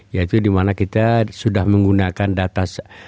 yaitu dimana kita sudah menggunakan data